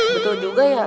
betul juga ya